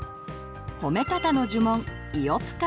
褒め方の呪文「イオプカシ」。